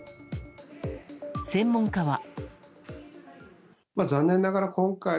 専門家は。